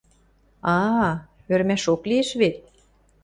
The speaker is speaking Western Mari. — А-а... ӧрмӓшок лиэш вет!..